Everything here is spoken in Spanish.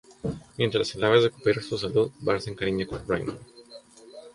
Mientras el ave recupera su salud, Bart se encariña con Raymond.